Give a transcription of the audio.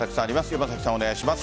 山崎さん、お願いします。